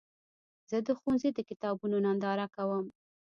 زه د ښوونځي د کتابونو ننداره کوم.